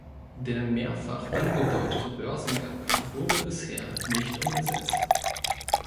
Der mehrfach angedeutete Börsengang wurde bisher nicht umgesetzt.